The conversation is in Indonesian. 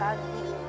ulanu mau kemana